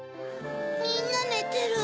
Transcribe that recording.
みんなねてる。